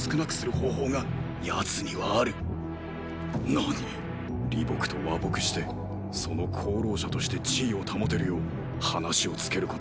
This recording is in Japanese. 何っ⁉李牧と和睦してその功労者として地位を保てるよう話をつけることだ。